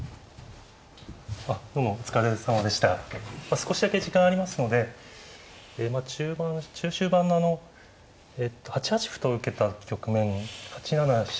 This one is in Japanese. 少しだけ時間ありますので中終盤のあの８八歩と受けた局面８七飛車